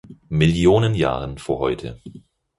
Millionen Jahren vor heute.